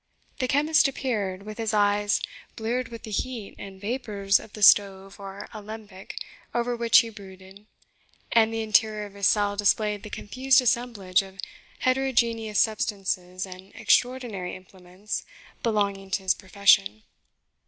The chemist appeared, with his eyes bleared with the heat and vapours of the stove or alembic over which he brooded and the interior of his cell displayed the confused assemblage of heterogeneous substances and extraordinary implements belonging to his profession.